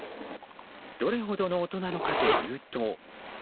どれほどの音なのかというと。